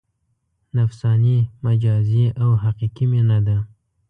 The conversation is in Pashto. نفساني، مجازي او حقیقي مینه ده.